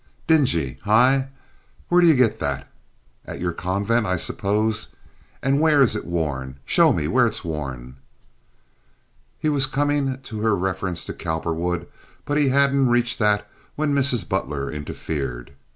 "Dingy, hi! Where do you get that? At your convent, I suppose. And where is it worn? Show me where it's worn." He was coming to her reference to Cowperwood, but he hadn't reached that when Mrs. Butler interfered.